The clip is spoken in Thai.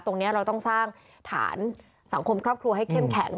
ตรงนี้เราต้องสร้างฐานสังคมครอบครัวให้เข้มแข็ง